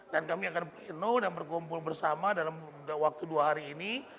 dan kami akan penuh dan berkumpul bersama dalam waktu dua hari ini